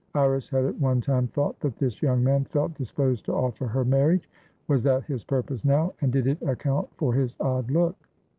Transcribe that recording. Iris had at one time thought that this young man felt disposed to offer her marriage; was that his purpose now, and did it account for his odd look?